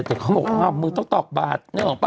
แต่เขาบอกว่ามึงต้องตอกบาท